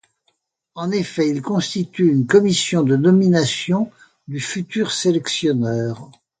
En effet, il constitue une commission de nomination du futur sélectionneur.